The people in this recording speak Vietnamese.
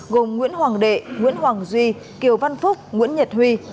gồm nguyễn hoàng đệ nguyễn hoàng duy kiều văn phúc nguyễn nhật huy